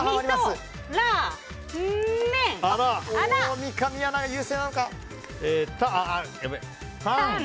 三上アナが優勢か。